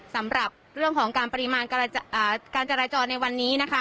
สำหรับเรื่องของการปริมาณการจราจรในวันนี้นะคะ